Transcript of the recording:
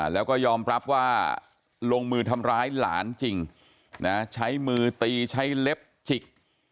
แล้วก็ยอมรับว่าลงมือทำร้ายหลานจริงใช้มือตีใช้เล็บจิก